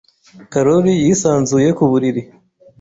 Karoli yisanzuye ku buriri.